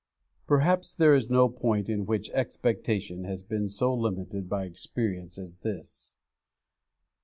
'_ Perhaps there is no point in which expectation has been so limited by experience as this.